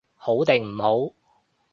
好定唔好？